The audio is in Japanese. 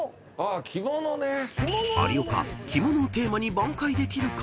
［有岡着物をテーマに挽回できるか？］